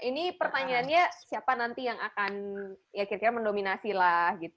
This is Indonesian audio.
ini pertanyaannya siapa nanti yang akan ya kira kira mendominasi lah gitu